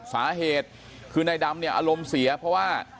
สาเหตุคือนายดำเนี่ยอารมณ์เสียเพราะว่า